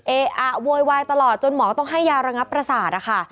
เออะโวยวายตลอดจนหมอต้องให้ยาระงับประสาทนะคะ